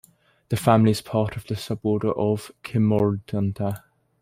The family is part of the suborder of Cimolodonta.